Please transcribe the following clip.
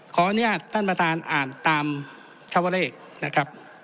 ขออนุญาตท่านประธานอ่านตามชาวเลขนะครับ